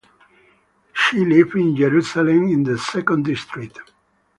She lived in Jerusalem, in the Second District.